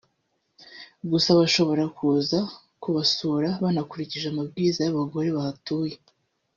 gusa bashobora kuza kubasura banakurikije amabwiriza y’abagore bahatuye